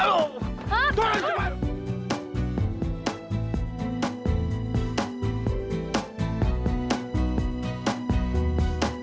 mau udah kacau dua aja teh poland kan